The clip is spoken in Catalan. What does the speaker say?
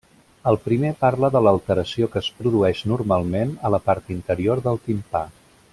El primer parla de l'alteració que es produeix normalment a la part interior del timpà.